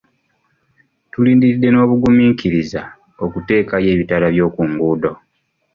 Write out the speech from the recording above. Tulindiridde n'obugumiikiriza okuteekayo ebitala by'oku nguudo.